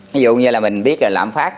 ví dụ như là mình biết là lãm phát